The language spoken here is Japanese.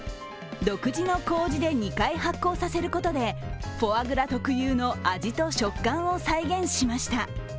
独自のこうじで２回発酵させることでフォアグラ特有の味と食感を再現しました。